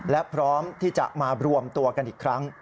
และพร้อมที่จะมารวมตัวกันอีกครั้ง